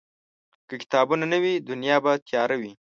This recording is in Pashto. که کتابونه نه وي، دنیا به تیاره وي.